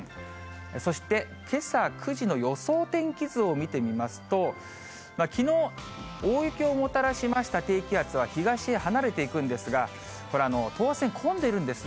そして、けさ９時の予想天気図を見てみますと、きのう、大雪をもたらしました低気圧は東へ離れていくんですが、これ、等圧線混んでるんですね。